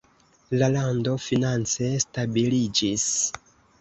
La lando finance stabiliĝis.